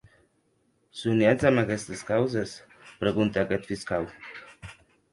Soniatz damb aguestes causes?, preguntèc eth fiscau.